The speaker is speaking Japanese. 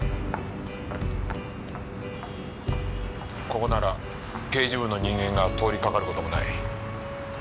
ここなら刑事部の人間が通りかかる事もない。